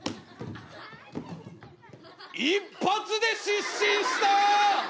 一発で失神した！